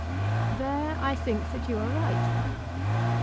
There I think that you are right.